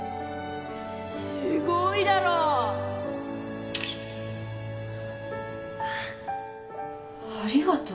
すごいだろ？ありがとう？